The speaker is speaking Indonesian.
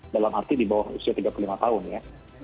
dalam arti di bawah usia tiga puluh lima tahun ya